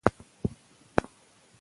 ناوخته خورا د بدن میټابولیک ساعت ګډوډوي.